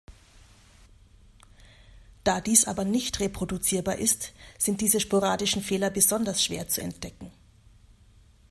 Da dies aber nicht reproduzierbar ist, sind diese sporadischen Fehler besonders schwer zu entdecken.